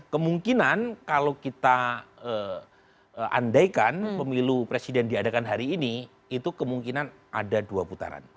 kemungkinan kalau kita andaikan pemilu presiden diadakan hari ini itu kemungkinan ada dua putaran